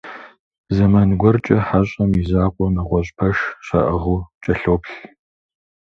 Зэман гуэркӏэ «хьэщӏэм» и закъуэ нэгъуэщӏ пэш щаӏыгъыу кӏэлъоплъ.